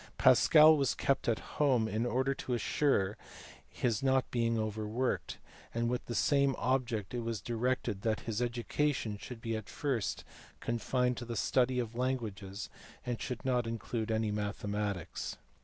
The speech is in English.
Pascal was kept at home in order to ensure his not being overworked, and with the same object it was directed that his education should be at first con fined to the study of languages and should not include any mathematics.